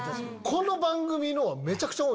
この番組の。